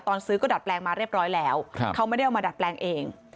ซื้อก็ดัดแปลงมาเรียบร้อยแล้วเขาไม่ได้เอามาดัดแปลงเอง